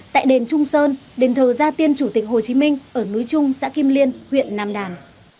tại đền trung sơn đền thờ gia tiên chủ tịch hồ chí minh ở núi trung xã kim liên huyện nam đàn